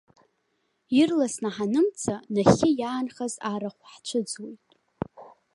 Ирласны ҳанымца, нахьхьи иаанхаз арахә ҳцәыӡуеит.